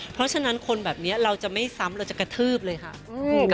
เพราะฉะนั้นคนแบบนี้เราจะไม่ซ้ำเราจะกระทืบเลยค่ะ